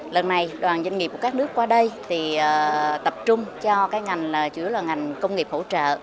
lần này đoàn doanh nghiệp của các nước qua đây thì tập trung cho cái ngành là chủ yếu là ngành công nghiệp hỗ trợ